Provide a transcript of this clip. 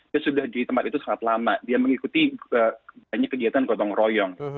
dia sudah di tempat itu sangat lama dia mengikuti banyak kegiatan gotong royong